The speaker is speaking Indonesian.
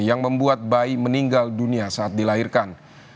yang membuat bayi meninggal dunia saat dilahirkan